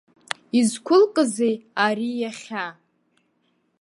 Изқәылкызеи ари иахьа?!